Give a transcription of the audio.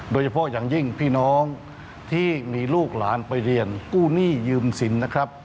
โดยเฉพาะอย่างยิ่งพี่น้องที่มีลูกหลานไปเรียนกู้หนี้ยืมสินนะครับ